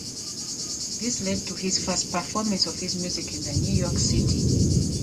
This led to the first performance of his music in New York City.